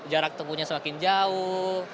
jarak tempuhnya semakin jauh